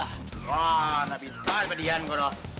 wah gak bisa padian koro